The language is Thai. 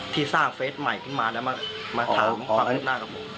ที่สร้างเฟสใหม่ขึ้นมาแล้วมาถามความคืบหน้ากับผม